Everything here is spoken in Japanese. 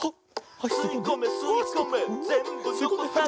「すいこめすいこめぜんぶのこさず」